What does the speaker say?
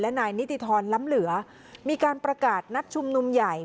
นายนิติธรรมล้ำเหลือมีการประกาศนัดชุมนุมใหญ่